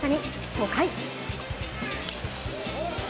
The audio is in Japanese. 初回。